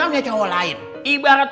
yang cowok lain ibaratnya